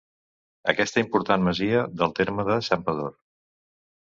Aquesta important masia del terme de Santpedor.